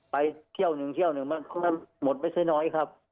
ไปเที่ยวหนึ่งเที่ยวหนึ่งหมดไม่ใช่น้อยครับ